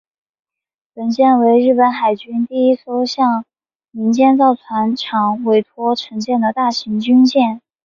本舰为日本海军第一艘向民间造船厂委托承建的大型军舰。